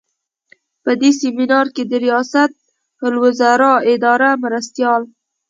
په دې سمینار کې د ریاستالوزراء اداري مرستیال.